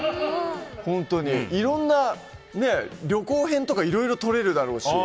本当にいろんな旅行編とかいろいろ撮れるでしょうし。